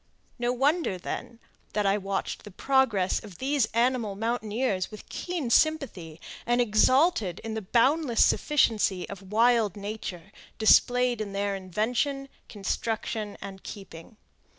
No wonder then, that I watched the progress of these animal mountaineers with keen sympathy, and exulted in the boundless sufficiency of wild nature displayed in their invention, construction, and keeping.